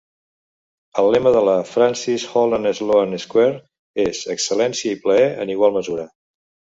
El lema de la Francis Holland Sloane Square és: "Excel·lència i plaer en igual mesura".